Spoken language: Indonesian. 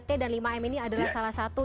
t dan lima m ini adalah salah satu